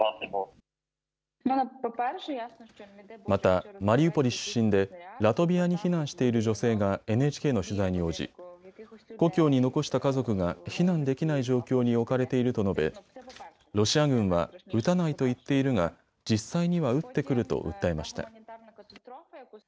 また、マリウポリ出身でラトビアに避難している女性がＮＨＫの取材に応じ故郷に残した家族が避難できない状況に置かれていると述べ、ロシア軍は撃たないと言っているが実際には撃ってくると訴えました。